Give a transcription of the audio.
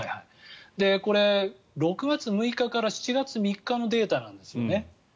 これ、６月６日から７月３日のデータなんですよね。